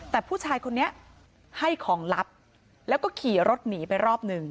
แต่ผู้ชายคนนี้ให้ของลับแล้วก็ขี่รถหนีไปรอบหนึ่ง